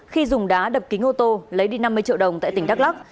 khi dùng đá đập kính ô tô lấy đi năm mươi triệu đồng tại tỉnh đắk lắc